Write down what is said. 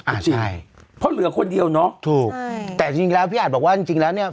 จริงใช่เพราะเหลือคนเดียวเนอะถูกแต่จริงจริงแล้วพี่อาจบอกว่าจริงจริงแล้วเนี้ย